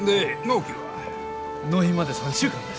納品まで３週間です。